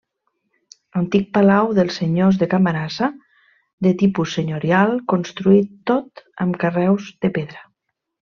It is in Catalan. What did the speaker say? Antic palau dels senyors de Camarasa, de tipus senyorial construït tot amb carreus de pedra.